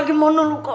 gimana dulu kal